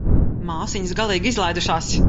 Māsiņas galīgi izlaidušās.